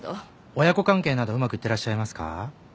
親子関係などうまくいってらっしゃいますか？